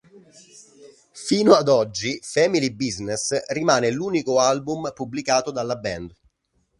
Fino ad oggi "Family Business" rimane l'unico album pubblicato dalla band.